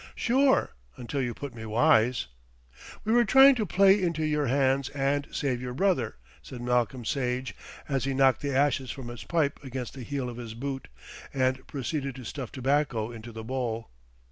"Sure, until you put me wise." "We were trying to play into your hands and save your brother," said Malcolm Sage, as he knocked the ashes from his pipe against the heel of his boot, and proceeded to stuff tobacco into the bowl.